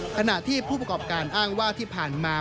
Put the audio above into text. ขณะที่ผู้ประกอบการอ้างว่าที่ผ่านมา